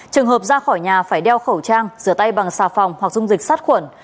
trường hợp ra khỏi nhà phải đeo khẩu trang rửa tay bằng xà phòng hoặc dung dịch sát khuẩn